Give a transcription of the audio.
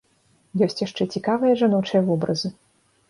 Ёсць яшчэ цікавыя жаночыя вобразы.